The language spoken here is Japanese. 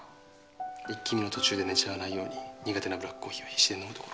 「イッキ見！」の途中で寝ちゃわないように苦手なブラックコーヒーを必死で飲むところ。